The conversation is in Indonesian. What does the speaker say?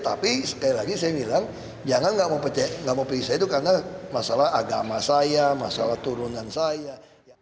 tapi sekali lagi saya bilang jangan nggak mau periksa itu karena masalah agama saya masalah turunan saya